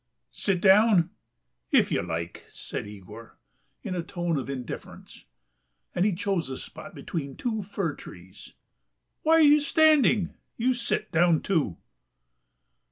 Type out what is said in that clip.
"Sit down? If you like..." said Yegor in a tone of indifference, and he chose a spot between two fir trees. "Why are you standing? You sit down too."